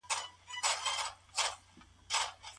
ایا د لري واټن زده کړه د حضوري ټولګیو په څیر رسمي ده؟